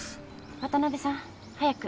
渡辺さん早く。